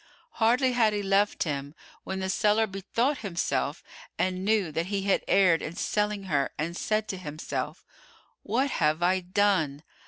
Hardly had he left him, when the seller bethought himself and knew that he had erred in selling her and said to himself, "What have I done?